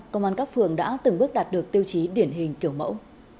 công an các phường đã từng bước đạt được tiêu chí điển hình kiểu mẫu